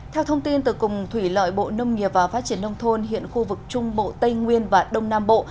theo thông tin từ cùng thủy lợi bộ nông nghiệp và phát triển nông thôn hiện khu vực trung bộ tây nguyên và đông nam bộ